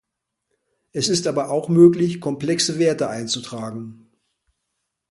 Es ist aber auch möglich, komplexe Werte einzutragen.